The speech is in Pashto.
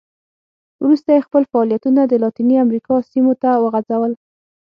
وروسته یې خپل فعالیتونه د لاتینې امریکا سیمو ته وغځول.